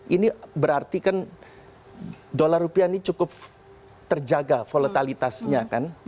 ini berarti kan dolar rupiah ini cukup terjaga volatilitasnya kan